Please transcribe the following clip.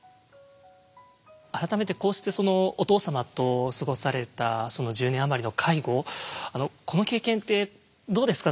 改めてこうしてお父様と過ごされたその１０年余りの介護この経験ってどうですか？